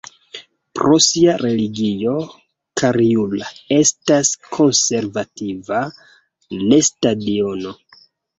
Pri sia religio Karjula estas konservativa lestadiano.